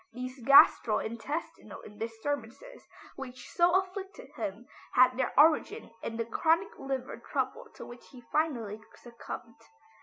These gastro intestinal disturbances which so afflicted him had their origin in the chronic liver trouble to which he finally succumbed.